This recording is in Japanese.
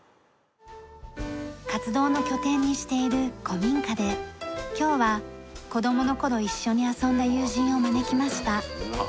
活動の拠点にしている古民家で今日は子供の頃一緒に遊んだ友人を招きました。